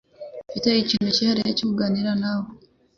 Mfite ikintu cyihariye cyo kuganira nawe.